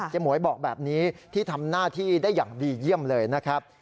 หมวยบอกแบบนี้ที่ทำหน้าที่ได้อย่างดีเยี่ยมเลยนะครับ